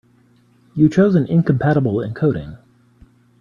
You chose an incompatible encoding.